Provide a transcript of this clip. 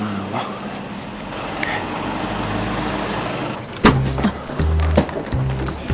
อ้าว